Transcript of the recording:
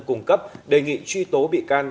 cung cấp đề nghị truy tố bị can